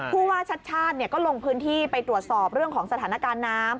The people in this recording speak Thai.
ผู้ว่าชัดชาติก็ลงพื้นที่ไปตรวจสอบเรื่องของสถานการณ์น้ำ